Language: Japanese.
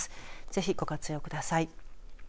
ぜひ、ご活用ください。